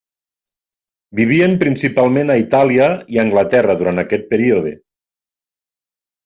Vivien principalment a Itàlia i Anglaterra durant aquest període.